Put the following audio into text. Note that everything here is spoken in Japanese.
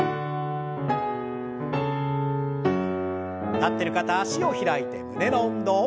立ってる方脚を開いて胸の運動。